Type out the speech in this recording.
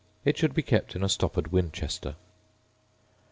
It should be kept in a stoppered winchester.